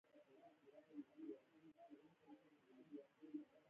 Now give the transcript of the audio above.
د مور او پلار رضا د الله تعالی د رضا دروازې خلاصوي